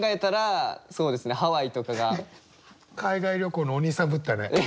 確かに海外旅行のお兄さんぶったね。